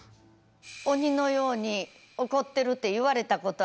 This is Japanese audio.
鬼のように怒ってるって言われたことはあります。